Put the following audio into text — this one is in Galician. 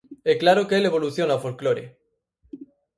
E claro que el evoluciona o folclore.